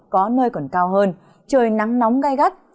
có nơi còn cao hơn trời nắng nóng gai gắt